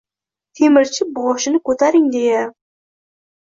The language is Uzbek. Temirchi boshini ko’taring deya